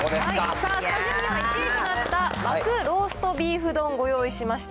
さあ、スタジオには１位となった巻くローストビーフ丼、ご用意しました。